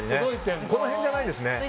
この辺じゃないですね。